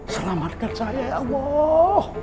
selamatkan saya ya allah